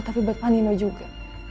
tapi buat pak nino juga